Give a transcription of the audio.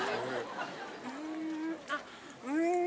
あっうん。